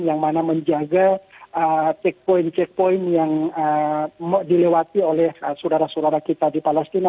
yang mana menjaga checkpoint checkpoint yang dilewati oleh saudara saudara kita di palestina